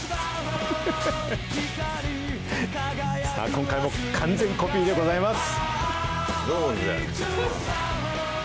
今回も完全コピーでございます。